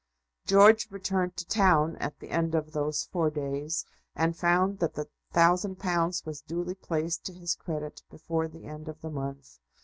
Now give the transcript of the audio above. George returned to town at the end of those four days, and found that the thousand pounds was duly placed to his credit before the end of the month.